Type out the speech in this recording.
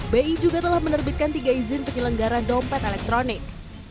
bi juga telah menerbitkan tiga izin penyelenggara dompet elektronik